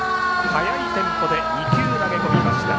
速いテンポで２球投げ込みました。